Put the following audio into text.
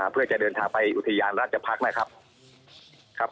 เพื่อจะเดินทางไปอุทยานราชภักษ์นะครับ